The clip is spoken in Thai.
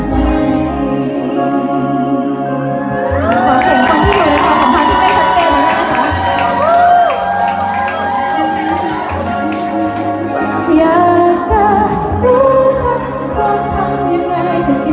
มองได้ไหมทีที่ฉันจะยืนก่อนจะอยู่ตรงนี้